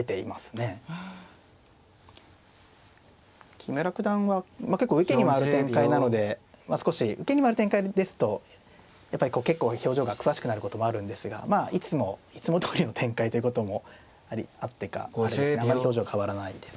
木村九段は結構受けに回る展開なのでまあ少し受けに回る展開ですとやっぱりこう結構表情が険しくなることもあるんですがまあいつもどおりの展開ということもあってかあれですねあんまり表情変わらないですね。